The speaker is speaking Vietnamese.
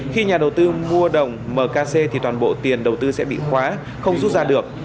khi nhà đầu tư mua đồng mkc thì toàn bộ tiền đầu tư sẽ bị khóa không rút ra được